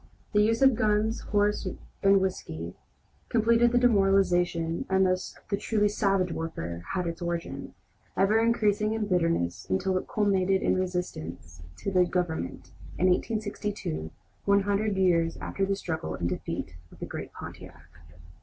The use of gun, horse, and whiskey completed the demoralization, and thus the truly "savage" warfare had its origin, ever increasing in bitterness until it culminated in resistance to the Government, in 1862, one hundred years after the struggle and defeat of the great Pontiac.